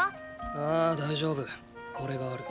ああ大丈夫これがある。